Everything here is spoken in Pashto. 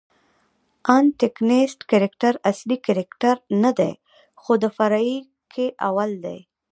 انټکنیسټ کرکټراصلي کرکټرنه دئ، خو د فرعي کښي اول دئ.